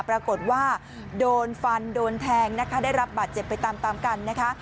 ปรากฏว่าโดนฟันโดนแทงนะคะได้รับบาดเจ็บไปตามตามกันนะคะ